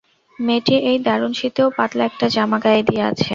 মেয়েটি এই দারুণ শীতেও পাতলা একটা জামা গায়ে দিয়ে আছে।